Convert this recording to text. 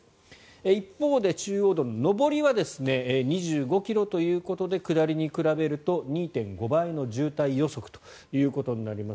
一方で、中央道の上りは２５ｋｍということで下りに比べると２．５倍の渋滞予測となります。